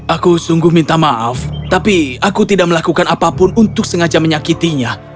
aku sungguh minta maaf tapi aku tidak melakukan apapun untuk sengaja menyakitinya